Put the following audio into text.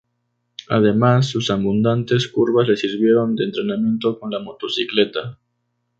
Además, sus abundantes curvas le sirvieron de entrenamiento con la motocicleta.